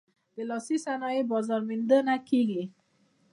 د لاسي صنایعو بازار موندنه کیږي؟